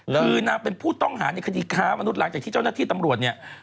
คือนางเป็นผู้ต้องหาในคดีค้ามนุษย์หลังจากที่เจ้าหน้าที่ตำรวจเนี่ย